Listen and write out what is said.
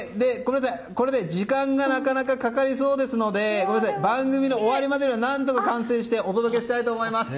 時間がなかなか、かかりそうですので番組の終わりまでに何とか完成してお届けしたいと思います。